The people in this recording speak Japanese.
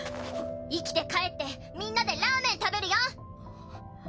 生きて帰ってみんなでラーメン食べるよ！